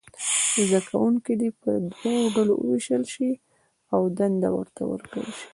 زده کوونکي دې په دوو ډلو وویشل شي او دنده ورته ورکړل شي.